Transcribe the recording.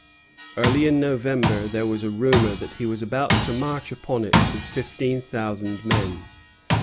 Early in November there was a rumor that he was about to march upon it with fifteen thousand men.